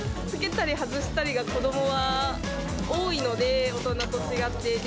着けたり外したりが、子どもは多いので、大人と違って。